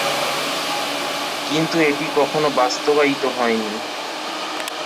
কিন্তু এটি কখনো বাস্তবায়িত হয়নি।